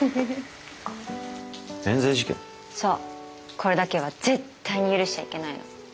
これだけは絶対に許しちゃいけないの。